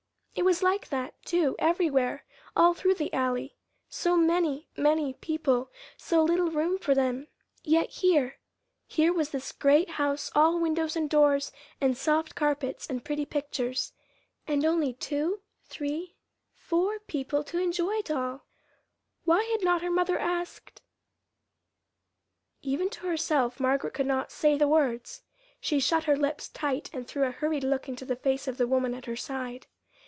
It was like that, too, everywhere, all through the Alley so many, many people, so little room for them. Yet here here was this great house all windows and doors and soft carpets and pretty pictures, and only two, three, four people to enjoy it all. Why had not her mother asked Even to herself Margaret could not say the words. She shut her lips tight and threw a hurried look into the face of the woman at her side.